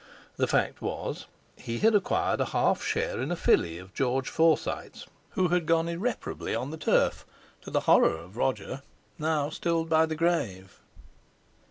The fact was he had acquired a half share in a filly of George Forsyte's, who had gone irreparably on the turf, to the horror of Roger, now stilled by the grave.